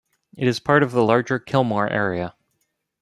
It is part of the larger Kilmore area.